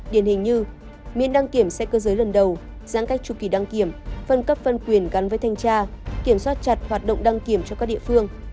điển hình như miễn đăng kiểm xe cơ giới lần đầu giãn cách chủ kỳ đăng kiểm phân cấp phân quyền gắn với thanh tra kiểm soát chặt hoạt động đăng kiểm cho các địa phương